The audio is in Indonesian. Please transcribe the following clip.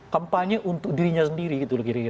kampanye untuk dirinya sendiri gitu loh kira kira